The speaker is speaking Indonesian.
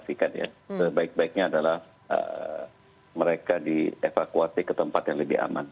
memastikan ya sebaik baiknya adalah mereka dievakuasi ke tempat yang lebih aman